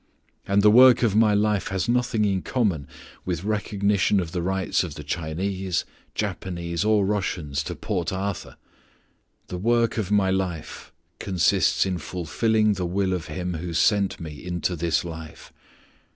And the work of my life has nothing in common with recognition of the rights of the Chinese, Japanese, or Russians to Port Arthur. The work of my life consists in fulfilling the will of Him who sent me into this life.